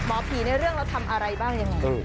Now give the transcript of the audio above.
หมอผีในเรื่องเราทำอะไรบ้างยังไง